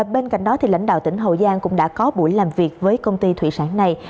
bên cạnh đó lãnh đạo tỉnh hậu giang cũng đã có buổi làm việc với công ty thủy sản này